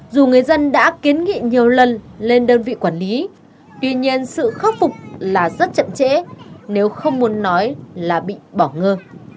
dù người dân đã kiến nghị nhiều lần lên đơn vị quản lý tuy nhiên sự khắc phục là rất chậm trễ nếu không muốn nói là bị bỏ ngơ